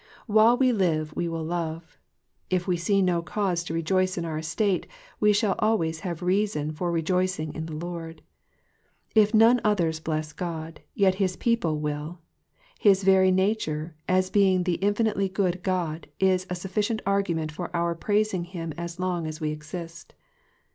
While we live we will love. If we see no cause to rejoice in our estate, we shall always have reason for rejoicing in the Lord. If none others bless God, yet his people will ; his very nature, as being the infinitely good God, is a sufficient argument for our praising him as long as we exist.